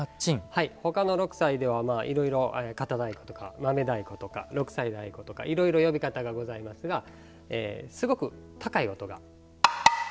他の六斎ではいろいろかた太鼓まめ太鼓とか六斎太鼓とかいろいろ呼び方がございますがすごく高い音が。